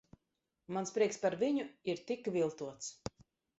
Mans prieks par viņu ir tik viltots.